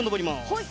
はい！